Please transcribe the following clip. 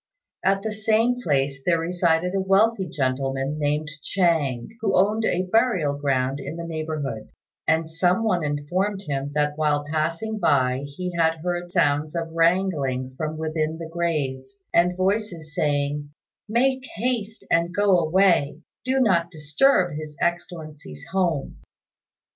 At the same place there resided a wealthy gentleman, named Chang, who owned a burial ground in the neighbourhood; and some one informed him that while passing by he had heard sounds of wrangling from within the grave, and voices saying, "Make haste and go away; do not disturb His Excellency's home."